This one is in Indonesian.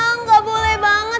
enggak boleh banget